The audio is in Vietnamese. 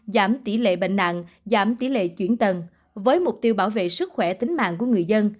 giảm tỷ lệ bệnh nặng giảm tỷ lệ chuyển tầng với mục tiêu bảo vệ sức khỏe tính mạng của người dân